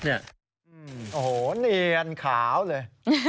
โอ้โหเนียนขาวเลย